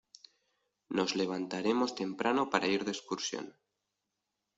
Nos levantaremos temprano para ir de excursión.